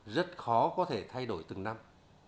rất khó có thể thay đổi từng năm